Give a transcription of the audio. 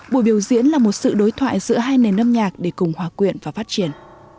buổi biểu diễn là một sự đối thoại giữa hai nền âm nhạc để cùng hòa quyện và phát triển